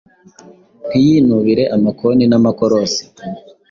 Ntiyinubiye amakoni n'amakorosi,